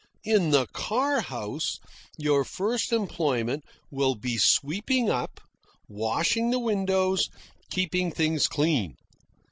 In the car house your first employment will be sweeping up, washing the windows, keeping things clean.